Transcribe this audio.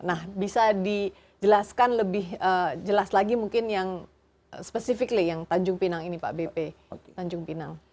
nah bisa dijelaskan lebih jelas lagi mungkin yang spesifikly yang tanjung pinang ini pak bp tanjung pinang